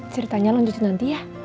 ceritanya lanjutin nanti ya